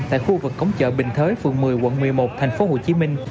tại khu vực cổng chợ bình thới phường một mươi quận một mươi một tp hcm